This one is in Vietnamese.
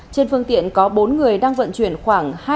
trên phương tiện có bốn người đang vận chuyển khoảng